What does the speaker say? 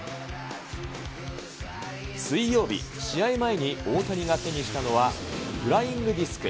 水曜日、試合前に大谷が手にしたのは、フライングディスク。